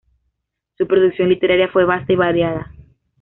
Su producción literaria fue vasta y variada.